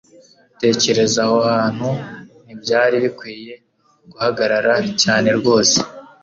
Tekereza aho hantu ntibyari bikwiye guhagarara cyane rwose